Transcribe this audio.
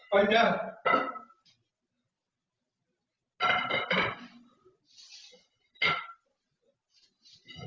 ไปเถอะ